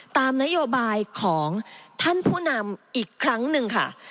ตามนโยบายของท่านผู้นำอีกครั้งหนึ่งค่ะ